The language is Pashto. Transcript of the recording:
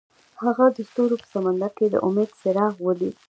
هغه د ستوري په سمندر کې د امید څراغ ولید.